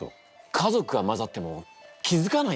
家族が交ざっても気付かないだと！？